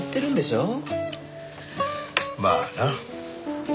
まあな。